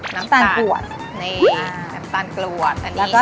น้ำปลาด้วยเนอะที่ทำเห็นให้ค่ะ